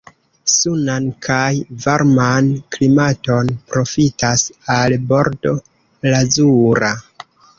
Sunan kaj varman klimaton profitas la Bordo Lazura.